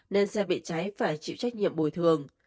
nên xe bị cháy phải chịu trách nhiệm bồi thường